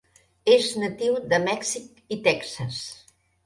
És natiu de Mèxic i Texas.